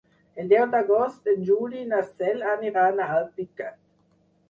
El deu d'agost en Juli i na Cel aniran a Alpicat.